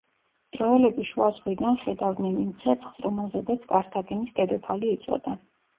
ტროელები შუა ზღვიდან ხედავდნენ იმ ცეცხლს, რომელზედაც კართაგენის დედოფალი იწვოდა.